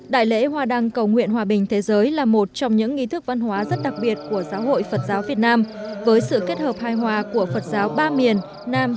đại lễ hòa đăng cầu nguyện hòa bình thế giới là một trong những nghi thức văn hóa rất đặc biệt của giáo hội phật giáo việt nam